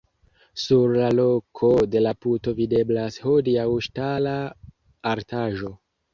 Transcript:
Sur la loko de la puto videblas hodiaŭ ŝtala artaĵo.